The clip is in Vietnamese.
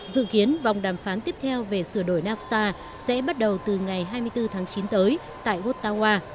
dự kiến vòng đàm phán tiếp theo về sửa đổi nafta sẽ bắt đầu từ ngày hai mươi bốn tháng chín tới tại ottawa